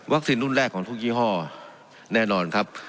รุ่นแรกของทุกยี่ห้อแน่นอนครับ